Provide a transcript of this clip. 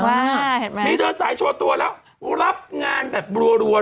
เห็นไหมมีเดินสายโชว์ตัวแล้วรับงานแบบรัว